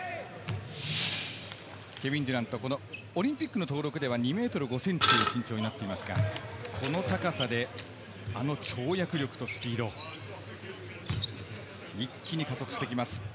ケビン・デュラント、オリンピックの登録では２ｍ５ｃｍという身長ですが、この高さであの跳躍力とスピード、一気に加速してきます。